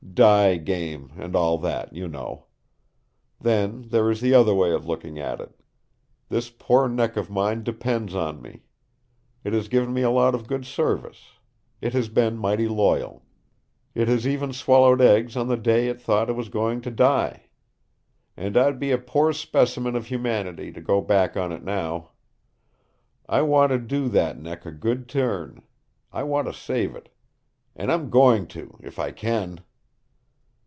Die game, and all that, you know. Then there is the other way of looking at it. This poor neck of mine depends on me. It has given me a lot of good service. It has been mighty loyal. It has even swallowed eggs on the day it thought it was going to die. And I'd be a poor specimen of humanity to go back on it now. I want to do that neck a good turn. I want to save it. And I'm going to if I can!"